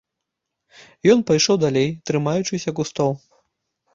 І ён пайшоў далей, трымаючыся кустоў.